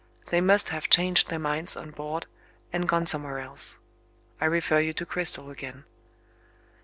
They must have changed their minds on board, and gone somewhere else. I refer you to Cristel again.